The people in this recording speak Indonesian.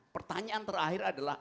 pertanyaan terakhir adalah